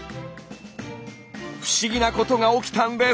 不思議なことが起きたんです。